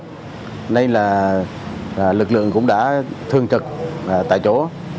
hôm nay lực lượng cũng đã thương trực tại chỗ